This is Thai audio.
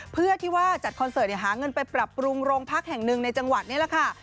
เพื่อที่ว่าจัดคอนเสิร์ตหาเงินไปปรับปรุงโรงพักแห่งหนึ่งในจังหวัดนี่แหละค่ะ